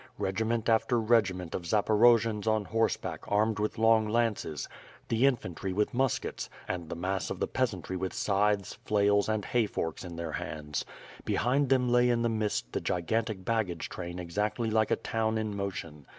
Regiment after regiment of Zaporojians on horseback armed with long lances; the infantry with muskets, and the mass of the peasantry with scythes, flails and hay forks in their hands. Behind them lay in the mist the gigantic baggage train exactly like a town in motion.